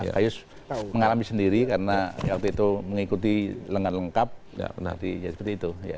kayu mengalami sendiri karena waktu itu mengikuti lengan lengkap jadi seperti itu